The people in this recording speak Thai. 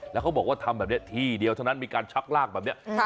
แล้วเขาบอกว่าทำแบบนี้ที่เดียวเท่านั้นมีการชักลากแบบนี้